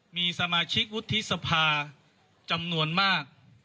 มีสมาชิกวุฒิสภาจำนวนมาก